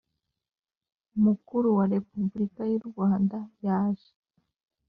Mukuru wa Repubulika y u Rwanda yaje